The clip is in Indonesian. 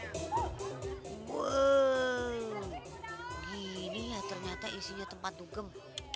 oh begini ya ternyata isinya tempat tugem